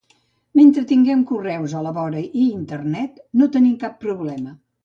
Mentre tinguem Correus a la vora i internet, no tenim cap problema.